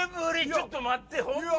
ちょっと待ってホンマ